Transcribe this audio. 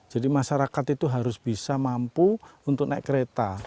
jadi masyarakat itu harus bisa mampu untuk naik kereta